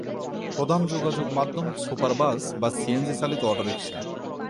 প্রধান যোগাযোগ মাধ্যম সুপার বাস বা সিএনজি চালিত অটোরিক্সা।